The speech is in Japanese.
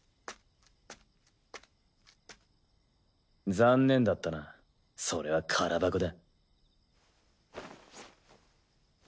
残念だったなそれは空箱だ。